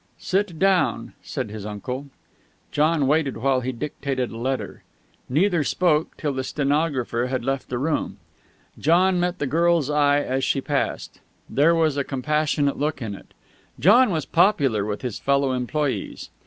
"Sit down," said his uncle. John waited while he dictated a letter. Neither spoke till the stenographer had left the room. John met the girl's eye as she passed. There was a compassionate look in it. John was popular with his fellow employes.